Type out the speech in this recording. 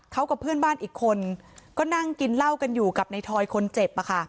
เขากับเพื่อนบ้านอีกคนก็นั่งกินเหล้ากันอยู่กับในทอยคนเจ็บ